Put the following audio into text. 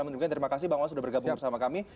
namun terima kasih bang wawan sudah bergabung bersama kami